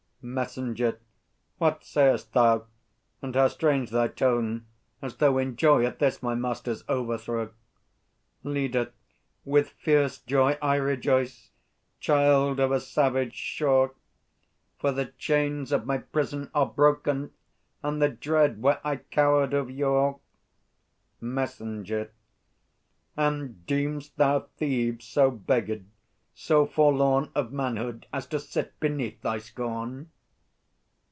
MESSENGER. What say'st thou? And how strange thy tone, as though In joy at this my master's overthrow! LEADER. With fierce joy I rejoice, Child of a savage shore; For the chains of my prison are broken, and the dread where I cowered of yore! MESSENGER. And deem'st thou Thebes so beggared, so forlorn Of manhood, as to sit beneath thy scorn?